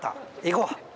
行こう。